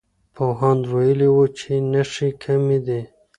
پوهاند ویلي وو چې نښې کمي دي.